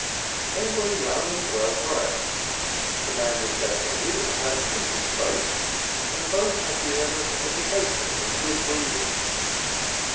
They were young and well dressed. The man was bareheaded, and had a pleasing face, and both had the air of education and good breeding.